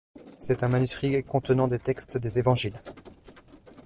C'est un manuscrit contenant des textes des Évangiles.